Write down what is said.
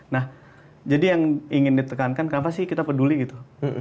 nah jadi yang ingin ditekankan kenapa sih kita peduli gitu